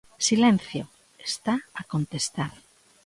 Silencio, está a contestar.